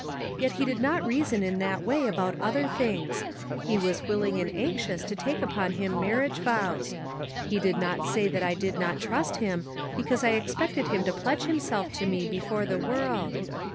Yet he did not reason in that way about other things ; he was willing and anxious to take upon him marriage vows. He did not say that I did not trust him, because I expected him to pledge himself to me before the world.